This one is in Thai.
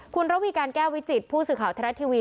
คุณระวีการแก้ววิจิตผู้สื่อข่าวไทยรัฐทีวี